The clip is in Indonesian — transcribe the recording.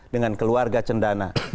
dengan keluarga cendana